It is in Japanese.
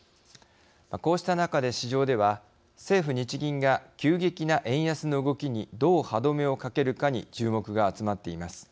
こうした中で、市場では政府・日銀が急激な円安の動きにどう歯止めをかけるかに注目が集まっています。